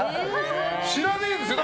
知らねえっすよ。